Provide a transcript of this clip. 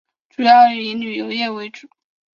主要以旅游业为主。